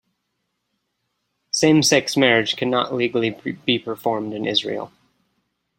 Same-sex marriage cannot legally be performed in Israel.